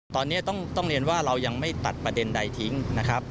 ตอนนี้ต้องเรียนว่าเรายังไม่ตัดประเด็นใดทิ้งนะครับ